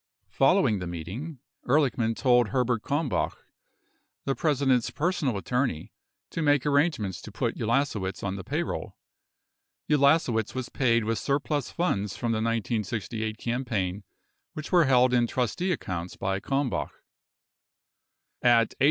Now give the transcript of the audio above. Following the meeting, Ehrlichman told Herbert Kalmbach, the President's personal attorney, to make arrangements to put Ulasewicz on the payroll. Ulasewicz was paid with surplus funds from the 1968 campaign which were held in trustee accounts by Kalmbach. 1 1 Hearings 250.